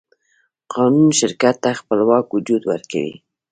قانون شرکت ته خپلواک وجود ورکوي.